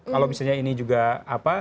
kalau misalnya ini juga apa